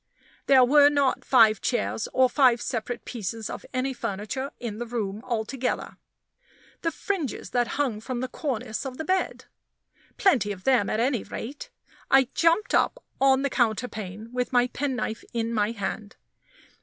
There were not five chairs or five separate pieces of any furniture in the room altogether. The fringes that hung from the cornice of the bed? Plenty of them, at any rate! Up I jumped on the counterpane, with my pen knife in my hand.